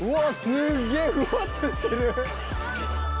すっげえふわっとしてる。